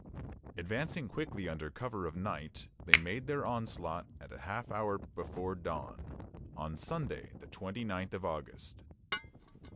Advancing quickly under cover of night, they made their onslaught at half an hour before dawn, on Sunday, the twenty ninth of August.